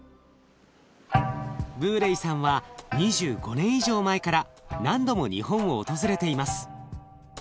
ブーレイさんは２５年以上前から何度も日本を訪れています。